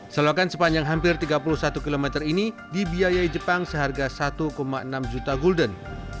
selokan sepanjang hampir tiga puluh satu km ini dibiayai jepang seharga satu enam juta gulden